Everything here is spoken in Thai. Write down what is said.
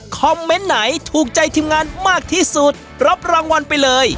เมนต์ไหนถูกใจทีมงานมากที่สุดรับรางวัลไปเลย